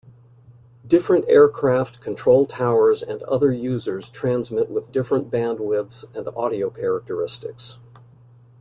Different aircraft, control towers and other users transmit with different bandwidths and audio characteristics.